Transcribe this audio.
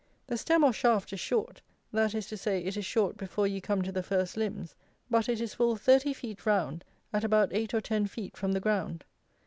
The stem or shaft is short; that is to say, it is short before you come to the first limbs; but it is full thirty feet round, at about eight or ten feet from the ground.